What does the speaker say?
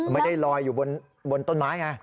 ไม่ได้ลอยอยู่บนต้นไม้ไง